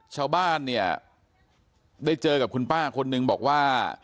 ชาวบ้านเนี่ยได้เจอกับคุณป้าคนนึงบอกว่า